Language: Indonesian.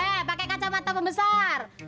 eh pake kacamata pembesar